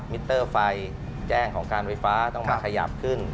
มิเตอร์ไฟแจ้งของการไฟฟ้าต้องมาขยับขึ้น